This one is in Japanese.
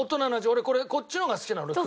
俺これこっちの方が好きなの俺。